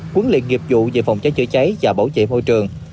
quấn liệt nghiệp vụ về phòng cháy chữa cháy và bảo vệ môi trường